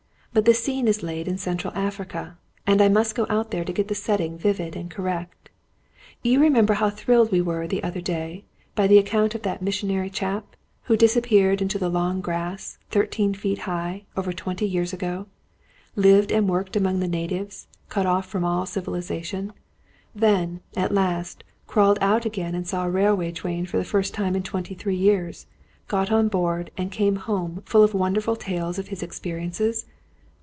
But the scene is laid in Central Africa, and I must go out there to get the setting vivid and correct. You remember how thrilled we were the other day, by the account of that missionary chap, who disappeared into the long grass, thirteen feet high, over twenty years ago; lived and worked among the natives, cut off from all civilisation; then, at last, crawled out again and saw a railway train for the first time in twenty three years; got on board, and came home, full of wonderful tales of his experiences?